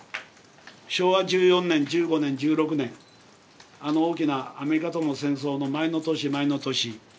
昭和１４年１５年１６年あの大きなアメリカとの戦争の前の年前の年。